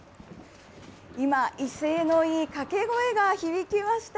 今、威勢のいい掛け声が響きました。